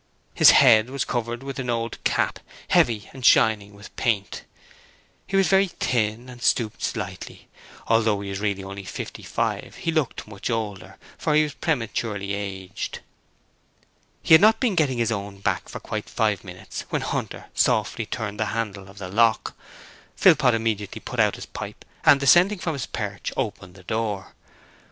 His head was covered with an old cap, heavy and shining with paint. He was very thin and stooped slightly. Although he was really only fifty five, he looked much older, for he was prematurely aged. He had not been getting his own back for quite five minutes when Hunter softly turned the handle of the lock. Philpot immediately put out his pipe and descending from his perch opened the door.